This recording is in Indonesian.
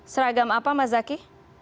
seragam apa mas zaky